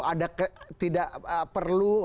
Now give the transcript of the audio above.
ada ke tidak perlu